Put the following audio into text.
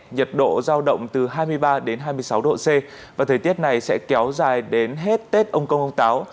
nhiệt độ giao động từ hai mươi ba đến hai mươi sáu độ c và thời tiết này sẽ kéo dài đến hết tết ông công ông táo